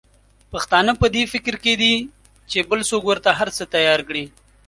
پښتانه په دي فکر کې دي چې بل څوک ورته هرڅه تیار کړي.